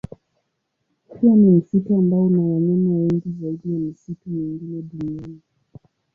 Pia ni msitu ambao una wanyama wengi zaidi ya misitu mingine duniani.